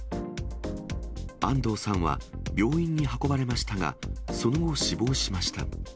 安藤さんは病院に運ばれましたが、その後、死亡しました。